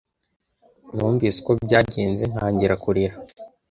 Numvise uko byagenze, ntangira kurira.